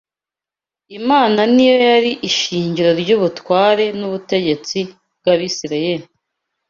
Imana ni yo yari ishingiro ry’ubutware n’ubutegetsi bw’Abisirayeli.